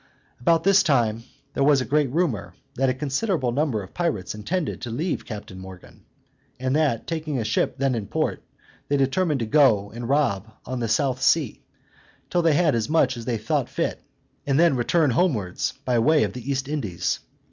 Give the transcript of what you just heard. About this time there was a great rumor, that a considerable number of pirates intended to leave Captain Morgan; and that, taking a ship then in port, they determined to go and rob on the South Sea, till they had got as much as they thought fit, and then return homewards, by way of the East Indies.